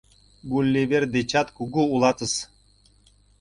Гулливер дечат кугу улатыс.